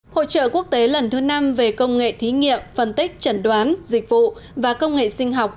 hội trợ quốc tế lần thứ năm về công nghệ thí nghiệm phân tích chẩn đoán dịch vụ và công nghệ sinh học